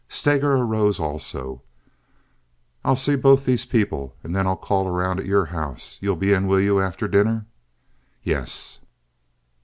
Steger arose also. "I'll see both these people, and then I'll call around at your house. You'll be in, will you, after dinner?" "Yes."